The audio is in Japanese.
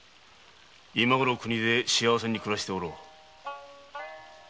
今ごろは故郷で幸せに暮らしておろう。